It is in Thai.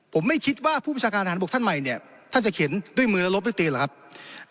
ผมไม่คิดว่าผู้ประชาการทหารบกท่านใหม่เนี่ยท่านจะเขียนด้วยมือและลบด้วยตีเหรอครับ